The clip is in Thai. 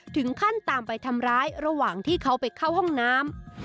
ถึงขั้นตามไปทำร้ายระหว่างที่เขาไปเข้าห้องน้ำ